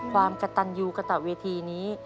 ความกระตันยูกระต่อเวทีนี้